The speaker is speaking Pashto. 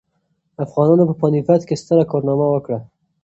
افغانانو په پاني پت کې ستره کارنامه وکړه.